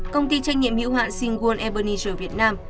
công ty trách nhiệm hiệu hạn shingwon ebenezer việt nam